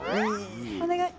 お願い。